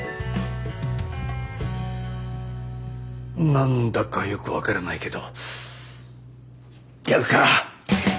何だかよく分からないけどやるか！